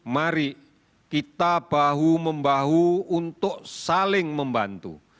mari kita bahu membahu untuk saling membantu